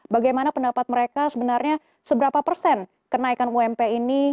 bagaimana pendapat mereka sebenarnya seberapa persen kenaikan ump ini